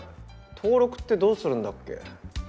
登録ってどうするんだっけ？